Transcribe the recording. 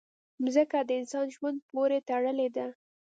مځکه د انسان ژوند پورې تړلې ده.